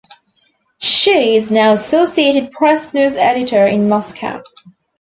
She is now Associated Press news editor in Moscow.